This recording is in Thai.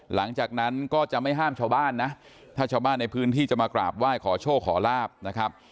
หลังจากนั้นก็จะไม่ห้ามชาวบ้านนะถ้าชาวบ้านในพื้นที่จะมากราบไหว้ขอโชคขอลาบนะครับ